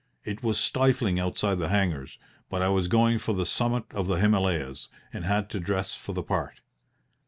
It was stifling outside the hangars, but I was going for the summit of the Himalayas, and had to dress for the part.